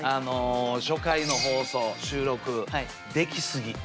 初回の放送収録できすぎ。